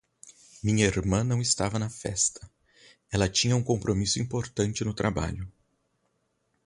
Minha irmã não estava na festa, ela tinha um compromisso importante no trabalho.